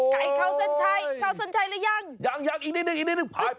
ไก่เขาสันชัยเขาสันชัยแล้วยังยังอีกนิดนึงพาย